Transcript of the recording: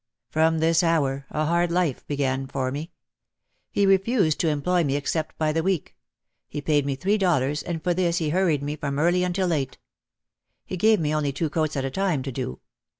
From this hour a hard life began for me. He refused to employ me except by the week. He paid me three dollars and for this he hurried me from early until late. He gave me only two coats at a time to do.